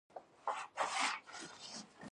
سړی ورته هک پک شي.